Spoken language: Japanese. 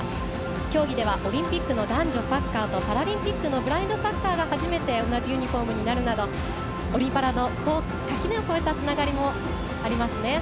競技では、オリンピックの男女サッカー、パラリンピックのブラインドサッカーが同じユニフォームになるなどオリパラの垣根を越えたつながりもありますね。